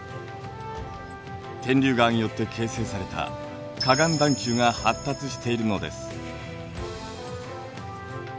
天竜川によって形成された河岸段丘が発達しているのです。